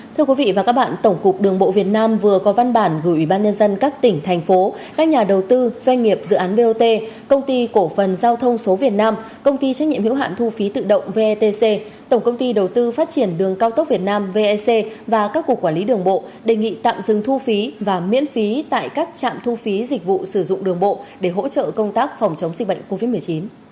thưa quý vị và các bạn tổng cục đường bộ việt nam vừa có văn bản gửi ban nhân dân các tỉnh thành phố các nhà đầu tư doanh nghiệp dự án bot công ty cổ phần giao thông số việt nam công ty trách nhiệm hiệu hạn thu phí tự động vetc tổng công ty đầu tư phát triển đường cao tốc việt nam vec và các cục quản lý đường bộ đề nghị tạm dừng thu phí và miễn phí tại các trạm thu phí dịch vụ sử dụng đường bộ để hỗ trợ công tác phòng chống dịch bệnh covid một mươi chín